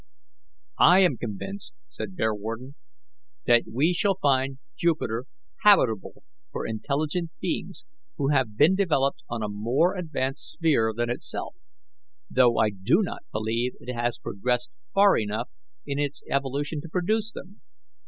"I am convinced," said Bearwarden, "that we shall find Jupiter habitable for intelligent beings who have been developed on a more advanced sphere than itself, though I do not believe it has progressed far enough in its evolution to produce them.